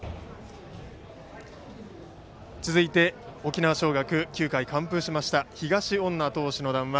続いて、沖縄尚学９回完封しました東恩納投手の談話